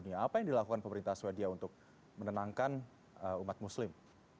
apa yang dilakukan pemerintah swedia untuk menenangkan umat muslim